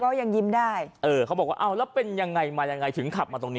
ยังยิ้มได้เออเขาบอกว่าเอาแล้วเป็นยังไงมายังไงถึงขับมาตรงนี้